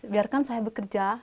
biarkan saya bekerja